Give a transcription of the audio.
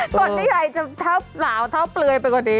ก่อนที่ยายจะเท้าเปลยไปกว่านี้